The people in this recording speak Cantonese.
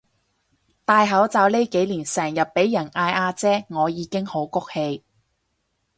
戴口罩呢幾年成日畀人嗌阿姐我已經好谷氣